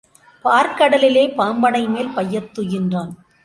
பாற்கடலில் பாம்பணை மேல் பையத்துயின்றான்.